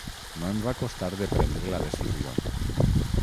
No em va costar de prendre la decisió.